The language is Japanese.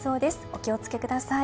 お気を付けください。